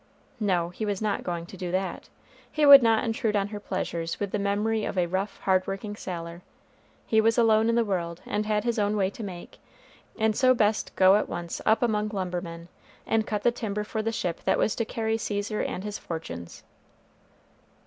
No, he was not going to do that. He would not intrude on her pleasures with the memory of a rough, hard working sailor. He was alone in the world, and had his own way to make, and so best go at once up among lumbermen, and cut the timber for the ship that was to carry Cæsar and his fortunes.